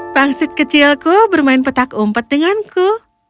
pangsit kecilku bermain petak umpet denganku